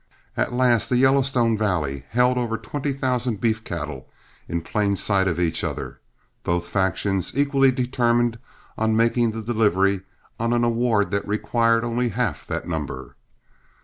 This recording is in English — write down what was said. At last the Yellowstone Valley held over twenty thousand beef cattle, in plain sight of each other, both factions equally determined on making the delivery on an award that required only half that number.